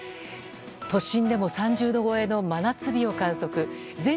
都心でも３０度超えの真夏日を観測。